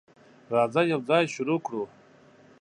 راځه، یوځای شروع کړو.